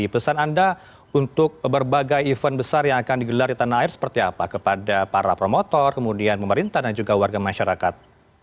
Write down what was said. pesan anda untuk berbagai event besar yang akan digelar di tanah air seperti apa kepada para promotor kemudian pemerintah dan juga warga masyarakat